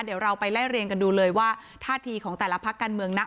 เดี๋ยวเราไปไล่เรียงกันดูเลยว่าท่าทีของแต่ละพักการเมืองนัก